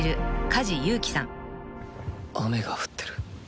「雨が降ってる」